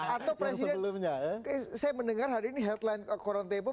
atau presiden saya mendengar hari ini headline koronatepo